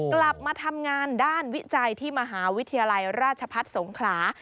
กลับมาทำงานด้านวิจัยที่มหาวิทยาลัยราชพัฒน์สงขลา